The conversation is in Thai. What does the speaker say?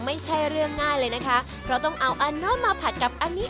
ไม่ใช่เรื่องง่ายเลยนะคะเพราะต้องเอาอันนั้นมาผัดกับอันนี้